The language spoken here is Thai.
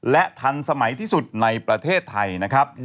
และทันสมัยที่สุดในประเทศไทยนะครับ